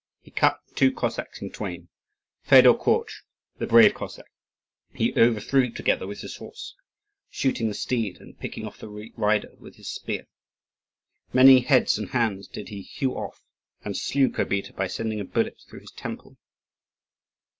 He cut two Cossacks in twain. Fedor Korzh, the brave Cossack, he overthrew together with his horse, shooting the steed and picking off the rider with his spear. Many heads and hands did he hew off; and slew Kobita by sending a bullet through his temple.